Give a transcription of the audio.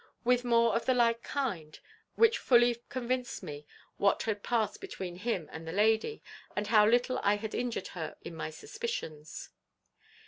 with more of the like kind, which fully convinced me what had passed between him and the lady, and how little I had injured her in my suspicions.